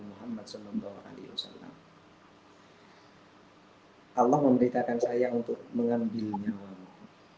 mean bahaya tuhan allah memberitakan saya untuk mengambilnyawaku